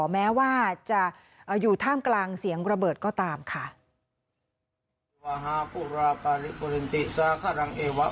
แม้ว่าจะอยู่ท่ามกลางเสียงระเบิดก็ตามค่ะ